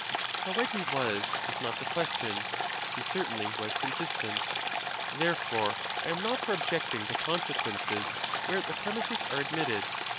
How right he was is not the question; he certainly was consistent. Therefore, I am not for objecting to consequences where the premises are admitted.